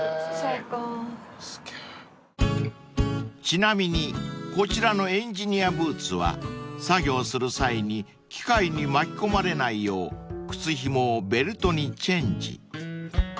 ［ちなみにこちらのエンジニアブーツは作業する際に機械に巻き込まれないよう靴ひもをベルトにチェンジ］